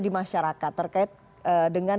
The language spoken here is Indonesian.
di masyarakat terkait dengan